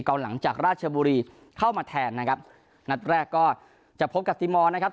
หลังจากราชบุรีเข้ามาแทนนะครับนัดแรกก็จะพบกับติมอนนะครับ